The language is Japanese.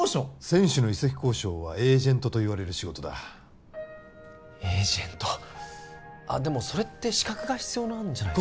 選手の移籍交渉はエージェントといわれる仕事だエージェントあっでもそれって資格が必要なんじゃないですか？